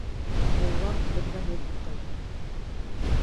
Мулла белгәнен уҡый